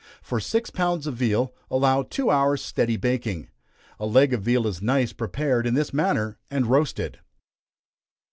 For six pounds of veal, allow two hours' steady baking. A leg of veal is nice prepared in this manner, and roasted.